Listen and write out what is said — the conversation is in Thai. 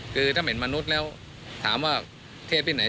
คือถ้าเป็นมนุษย์แล้วถามว่าเทพที่ไหน